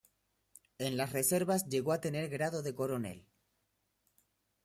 En las reservas llegó a tener grado de coronel.